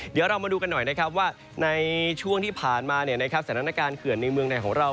เดี๋ยวเรามาดูกันหน่อยนะครับว่าในช่วงที่ผ่านมาสถานการณ์เขื่อนในเมืองไทยของเรา